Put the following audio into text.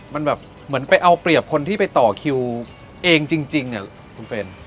มันแบบเหมือนไปเอาเปรียบคนที่ไปต่อคิวเองจริงคุณเป็น